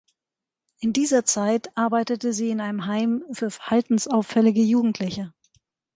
In dieser Zeit arbeitete sie in einem Heim für verhaltensauffällige Jugendliche.